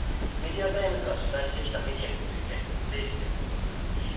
メディアタイムズが取ざいしてきたメディアについて整理してるところなんだ。